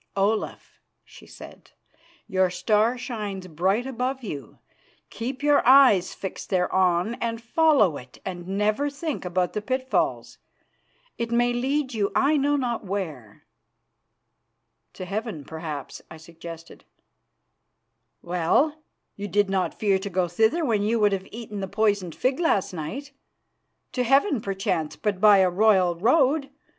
"Olaf," she said, "your star shines bright above you. Keep your eyes fixed thereon and follow it, and never think about the pitfalls. It may lead you I know not where." "To heaven, perhaps," I suggested. "Well, you did not fear to go thither when you would have eaten the poisoned fig last night. To heaven, perchance, but by a royal road.